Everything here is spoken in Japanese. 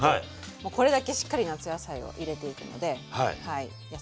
もうこれだけしっかり夏野菜を入れていくので野菜もとれます。